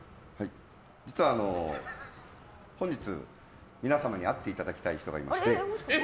実は、本日皆様に会っていただきたい人がいまして。